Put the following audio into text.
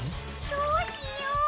どうしよう！？